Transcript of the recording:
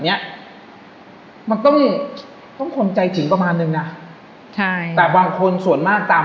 นี้มันต้องคนใจถึงประมาณหนึ่งนะแต่บางคนส่วนมากตาม